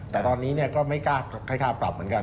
แต่ตอนนี้ก็ไม่กล้าให้ค่าปรับเหมือนกัน